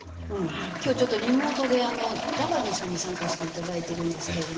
今日ちょっとリモートでダバディさんに参加していただいてるんですけれども。